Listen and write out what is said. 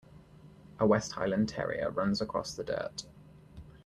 A West Highland Terrier runs across the dirt.